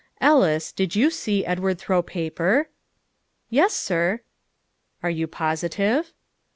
"Ellis, did you see Edward throw paper?" "Yes, sir." "Are you positive?"